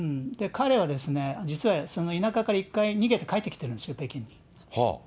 彼は実は、田舎から一回逃げて帰ってきてるんですよ、北京に。